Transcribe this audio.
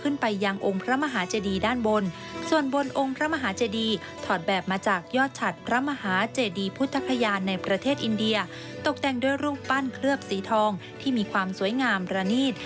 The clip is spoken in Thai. ในประเทศอินเดียตกแต่งด้วยรูปปั้นเคลือบสีทองที่มีความสวยงามระนีด